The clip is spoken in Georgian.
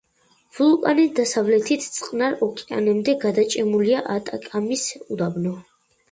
ვულკანის დასავლეთით წყნარ ოკეანემდე გადაჭიმულია ატაკამის უდაბნო.